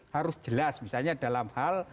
harus jelas misalnya dalam hal